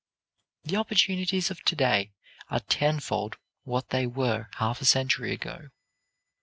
The opportunities of to day are tenfold what they were half a century ago.